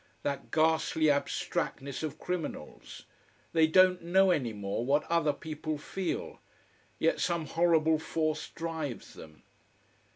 That ghastly abstractness of criminals. They don't know any more what other people feel. Yet some horrible force drives them.